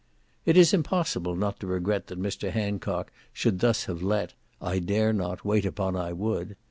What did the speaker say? It is impossible not to regret that Mr. Hancock should thus have let "I dare not, wait upon I would."